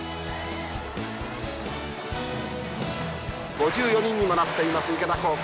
５４人にもなっています池田高校。